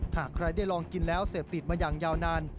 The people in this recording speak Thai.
หากใครได้ลองกินแล้วเสพติดมาอย่างยาวนาน